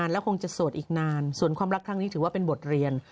แล้วคงจะโสดอีกนานส่วนความรักครั้งนี้ถือว่าเป็นบทเรียน